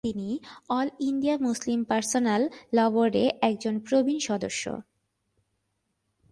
তিনি all India Muslim personal law বোর্ডের একজন প্রবীণ সদস্য।